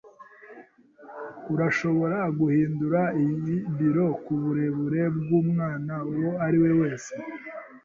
Urashobora guhindura iyi biro kuburebure bwumwana uwo ari we wese.